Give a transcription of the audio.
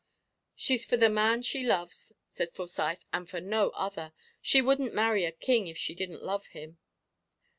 "She's for the man she loves," said Forsyth, "and for no other. She wouldn't marry a king if she didn't love him."